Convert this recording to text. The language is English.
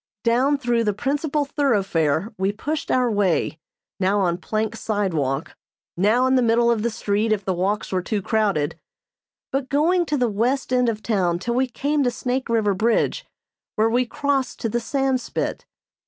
Down through the principal thoroughfare we pushed our way, now on plank sidewalk, now in the middle of the street if the walks were too crowded; but going to the west end of town till we came to Snake River Bridge, where we crossed to the Sandspit.